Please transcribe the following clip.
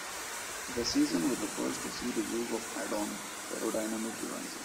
The season was the first to see the use of add-on aerodynamic devices.